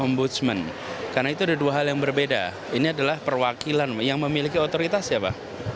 ombudsman karena itu ada dua hal yang berbeda ini adalah perwakilan yang memiliki otoritas siapa